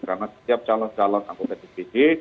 karena setiap calon calon anggota kdpd